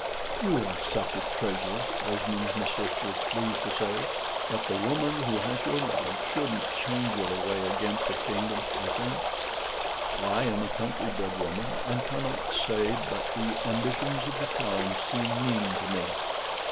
"You are such a treasure," Esmond's mistress was pleased to say, "that the woman who has your love, shouldn't change it away against a kingdom, I think. I am a country bred woman, and cannot say but the ambitions of the town seem mean to me.